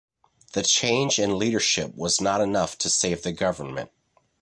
The change in leadership was not enough to save the government.